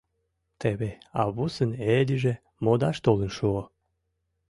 Теве Аввусын Ээдиже модаш толын шуо.